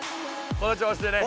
この調子で！